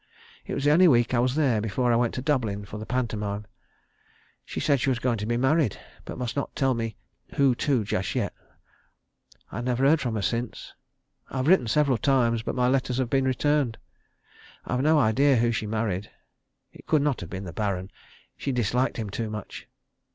It was the only week I was there before I went to Dublin for the pantomime. She said she was going to be married, but must not tell me who to just yet. I never heard from her since. I have written several times, but my letters have been returned. I have no idea who she married. It could not have been the Baron. She disliked him too much.